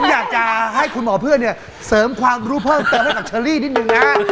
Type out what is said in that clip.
อยากจะให้คุณหมอเพื่อนเนี่ยเสริมความรู้เพิ่มเติมให้กับเชอรี่นิดนึงนะ